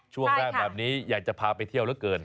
ช่วงแรกแบบนี้อยากจะพาไปเที่ยวเหลือเกิน